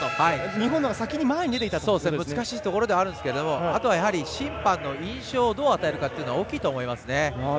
日本のほうが難しいところではあるんですけどあとは審判の印象をどう与えるのかも大きいと思いますね。